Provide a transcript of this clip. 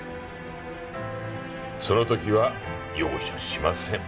その時は容赦しません。